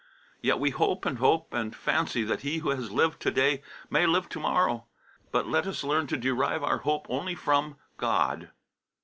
Yet we hope and hope, and fancy that he who has lived to day may live to morrow. But let us learn to derive our hope only from God.